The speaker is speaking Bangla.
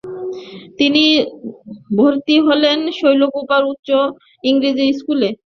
তিনি ভর্তি হলেন শৈলকূপা উচ্চ ইংরেজি স্কুলে।